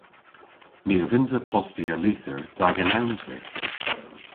Ni a vynnsa postya lyther dh'agan ewnter.